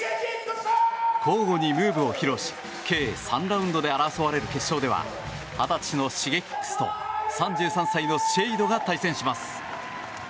交互にムーブを披露し計３ラウンドで争われる決勝では２０歳のＳｈｉｇｅｋｉｘと３３歳のＳＨＡＤＥが対戦します。